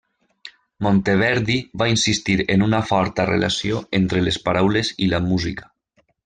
Monteverdi va insistir en una forta relació entre les paraules i la música.